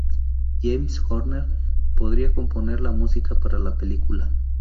James Horner podría componer la música para la película.